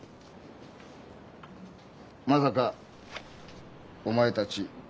まさかお前たち。